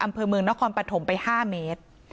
อำเภอเมืองนครปฐมไป๕เมตร